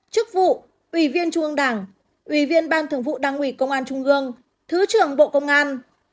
chức vụ ủy viên trung ương đảng ủy viên ban thường vụ đảng ủy công an trung ương thứ trưởng bộ công an